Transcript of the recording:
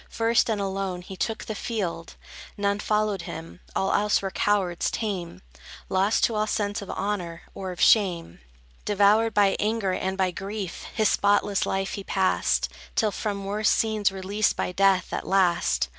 First, and alone, he took the field: None followed him; all else were cowards tame, Lost to all sense of honor, or of shame. Devoured by anger and by grief, His spotless life he passed, Till from worse scenes released by death, at last.